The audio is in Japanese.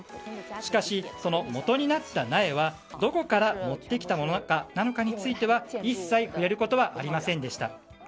しかし、そのもとになった苗はどこから持ってきたものなのかについては一切、触れることはありませんでした。